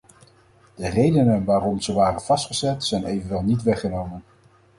De redenen waarom ze waren vastgezet zijn evenwel niet weggenomen.